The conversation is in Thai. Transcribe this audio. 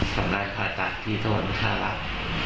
ทำร้านภาษาจากที่สวรรค์พระธรรม